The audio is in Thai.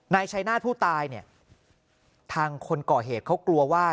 นายชัยนาธิ์ผู้ตายเนี่ยทางคนก่อเหตุเขากลัวว่า